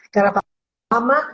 karena vaksinnya lama